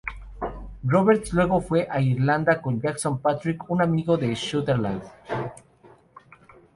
Roberts luego fue a Irlanda con Jason Patric, un amigo de Sutherland.